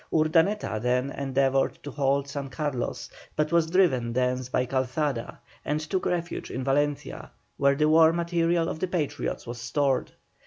Urdaneta then endeavoured to hold San Carlos, but was driven thence by Calzada, and took refuge in Valencia, where the war material of the Patriots was stored.